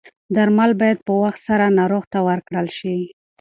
درمل باید په وخت سره ناروغ ته ورکړل شي.